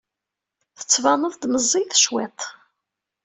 Tettbaneḍ-d meẓẓiyeḍ cwiṭ.